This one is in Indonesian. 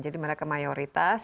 jadi mereka mayoritas